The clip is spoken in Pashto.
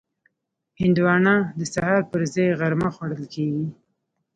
هندوانه د سهار پر ځای غرمه خوړل کېږي.